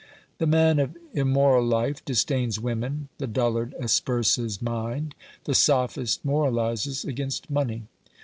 The man of immoral life disdains women, the dullard asperses mind, the sophist moraUses against money.